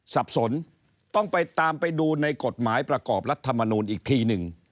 สับสนต้องไปตามไปดูในกฎหมายประกอบรัฐมนูลอีกทีหนึ่ง